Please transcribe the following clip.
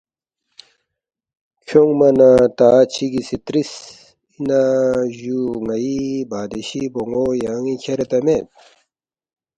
کھیونگما نہ تا چِگی سی ترِس ”اِنا جُو ن٘ئی بادشی بون٘و یان٘ی کھیریدا مید؟“